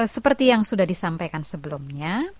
seperti yang sudah disampaikan sebelumnya